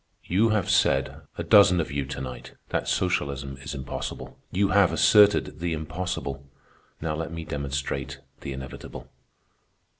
"You have said, a dozen of you to night, that socialism is impossible. You have asserted the impossible, now let me demonstrate the inevitable.